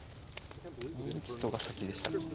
２一とが先でしたか。